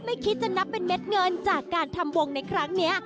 คิดจะนับเป็นเม็ดเงินจากการทำวงในครั้งนี้